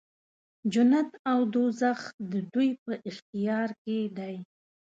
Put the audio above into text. جنت او دوږخ د دوی په اختیار کې دی.